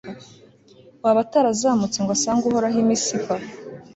waba atarazamutse ngo asange uhoraho i misipa